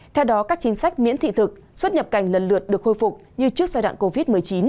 theo đó các chính sách miễn thị thực xuất nhập cảnh lần lượt được khôi phục như trước giai đoạn covid một mươi chín